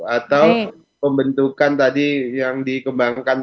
atau pembentukan tadi yang dikembangkan